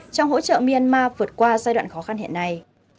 trong hỗ trợ myanmar vượt qua giai đoạn khó khăn hiện nay